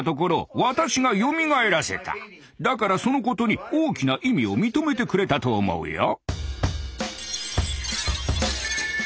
だからそのことに大きな意味を認めてくれたと思うよ。